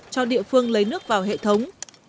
cho địa phương lấy nước vào hệ thống